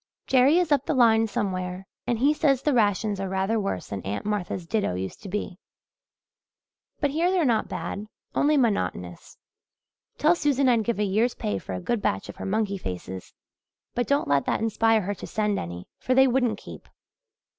Jerry is up the line somewhere and he says the rations are rather worse than Aunt Martha's ditto used to be. But here they're not bad only monotonous. Tell Susan I'd give a year's pay for a good batch of her monkey faces; but don't let that inspire her to send any for they wouldn't keep.